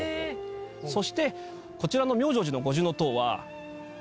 そしてこちらの妙成寺の五重塔は。